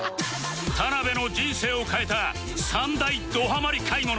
田辺の人生を変えた３大どハマり買い物